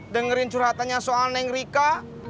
dengerin curhatannya soal neng rika